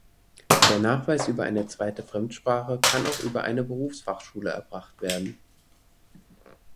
Der Nachweis über eine zweite Fremdsprache kann auch über eine Berufsfachschule erbracht werden.